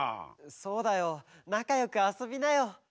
そうだよなかよくあそびなよ。